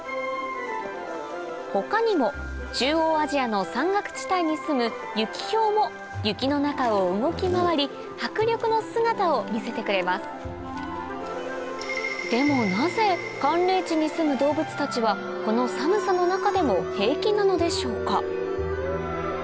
他にも中央アジアの山岳地帯にすむユキヒョウも雪の中を動き回り迫力の姿を見せてくれますでもなぜ寒冷地にすむ動物たちはこの寒さの中でも平気なのでしょうか？